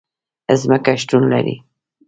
ځمکه شتون لري